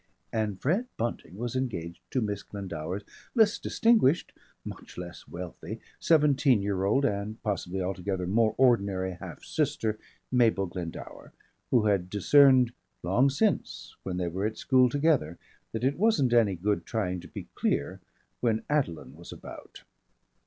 And Fred Bunting was engaged to Miss Glendower's less distinguished, much less wealthy, seventeen year old and possibly altogether more ordinary half sister, Mabel Glendower, who had discerned long since when they were at school together that it wasn't any good trying to be clear when Adeline was about.